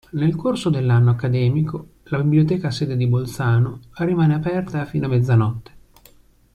Nel corso dell'anno accademico la Biblioteca sede di Bolzano rimane aperta fino a mezzanotte.